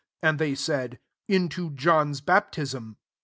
'* Lnd they said, " Into , John's aptism.''